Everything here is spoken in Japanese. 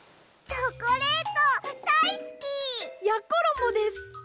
チョコレートだいすき！やころもです。